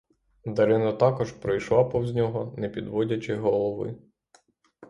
Дарина також пройшла повз нього, не підводячи голови.